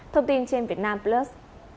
thông tin trên vietnam plus